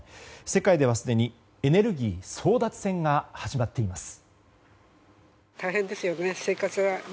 世界では、すでにエネルギー争奪戦が始まっています。